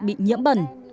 bị nhiễm bẩn